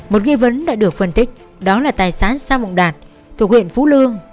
một nghi vấn đã được phân tích đó là tài sản sa mộng đạt thuộc huyện phú lương